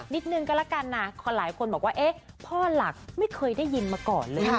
นิดนึงก็แล้วกันนะหลายคนบอกว่าเอ๊ะพ่อหลักไม่เคยได้ยินมาก่อนเลย